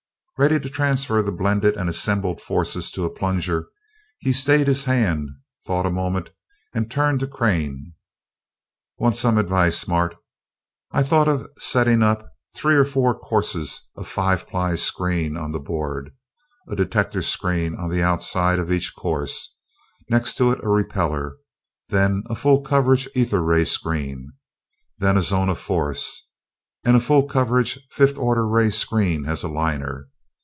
Ready to transfer the blended and assembled forces to a plunger, he stayed his hand, thought a moment, and turned to Crane. "Want some advice, Mart. I'd thought of setting up three or four courses of five ply screen on the board a detector screen on the outside of each course, next to it a repeller, then a full coverage ether ray screen, then a zone of force, and a full coverage fifth order ray screen as a liner.